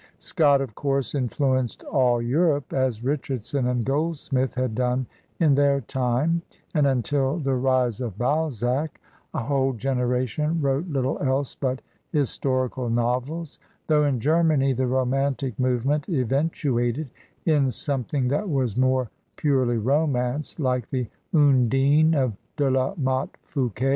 Scott, of course, influenced all Europe, as Richardson and Goldsmith had done in their time; and until the rise of Balzac a whole generation wrote Uttle else but historical novels, though in Germany the romantic movement eventuated in something that was more pure ly romance, like the "Undine" of De la Motte Fouqu6.